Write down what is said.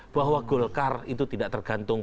bahwa golkar itu tidak tergantung